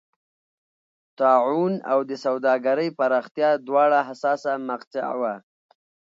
طاعون او د سوداګرۍ پراختیا دواړه حساسه مقطعه وه.